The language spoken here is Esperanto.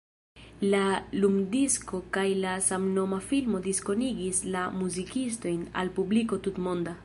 La lumdisko kaj la samnoma filmo diskonigis la muzikistojn al publiko tutmonda.